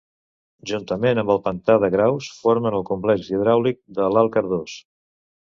Juntament amb el pantà de Graus formen el complex hidràulic de l'alt Cardós.